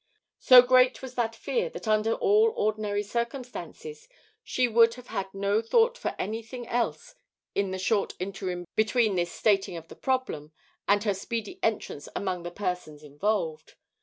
So great was that fear that under all ordinary circumstances she would have had no thought for anything else in the short interim between this stating of the problem and her speedy entrance among the persons involved.